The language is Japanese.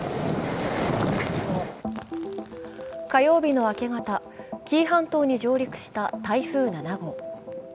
火曜日の明け方、紀伊半島に上陸した台風７号。